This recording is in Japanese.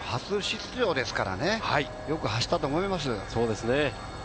初出場ですからね、よく走ったと思います。